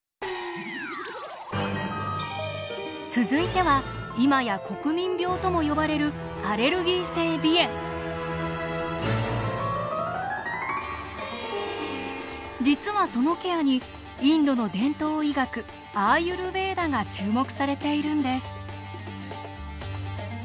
続いては今や国民病とも呼ばれる実はそのケアにインドの伝統医学アーユルヴェーダが注目されているんです。